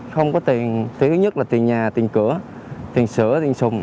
không có tiền thứ nhất là tiền nhà tiền cửa tiền sữa tiền sùng